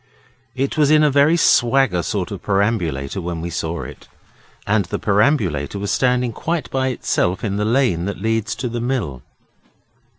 It was in a very swagger sort of perambulator when we saw it; and the perambulator was standing quite by itself in the lane that leads to the mill.